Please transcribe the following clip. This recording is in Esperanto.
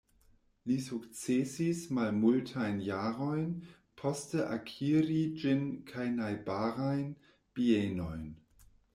Li sukcesis malmultajn jarojn poste akiri ĝin kaj najbarajn bienojn.